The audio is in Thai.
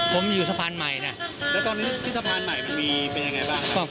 ผมอยู่สะพานใหม่นะแล้วตอนนี้ที่สะพานใหม่มันมีเป็นยังไงบ้างครับ